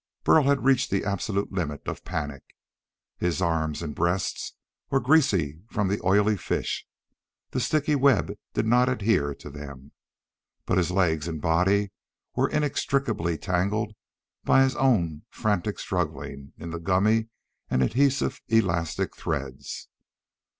Burl had reached the absolute limit of panic. His arms and breast were greasy from the oily fish; the sticky web did not adhere to them. But his legs and body were inextricably tangled by his own frantic struggling in the gummy and adhesive elastic threads.